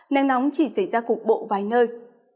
nắng nóng chỉ xảy ra cục bộ vài nơi